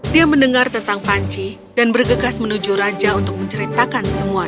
dia mendengar tentang panci dan bergegas menuju raja untuk menceritakan semuanya